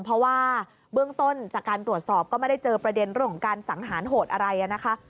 เพราะว่าเบื้องต้นจากการตรวจสอบก็ไม่ได้เจอประเด็นเรื่องของการสังหารโหดอะไรนะคะ